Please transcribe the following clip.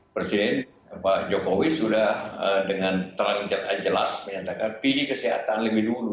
presiden pak jokowi sudah dengan terlalu jelas menyatakan pilih kesehatan lebih dulu